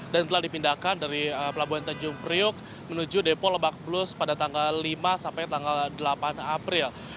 dan telah dipindahkan dari pelabuhan tanjung priuk menuju depo lebak bulus pada tanggal lima sampai tanggal delapan april